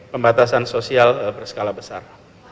pembatasan sosial berskala besar